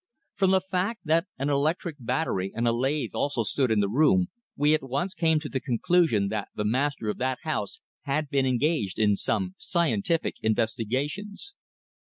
From the fact that an electric battery and a lathe also stood in the room we at once came to the conclusion that the master of that house had been engaged in some scientific investigations.